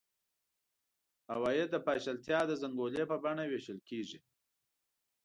عواید د پاشلتیا د زنګولې په بڼه وېشل کېږي.